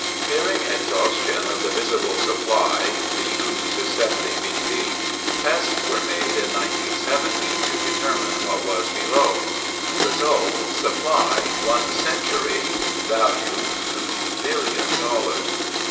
Fearing exhaustion of the visible supply (the ooze is 70 feet deep) tests were made in 1917 to determine what was below. Result, supply one century; value two billion dollars.